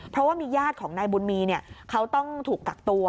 เพราะว่ามีญาติของนายบุญมีเขาต้องถูกกักตัว